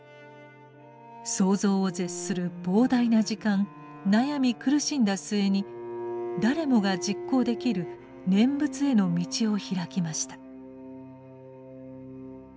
想像を絶する膨大な時間悩み苦しんだ末に誰もが実行できる念仏への道を開きました。